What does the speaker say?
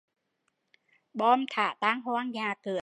Bom thả tan hoang nhà cửa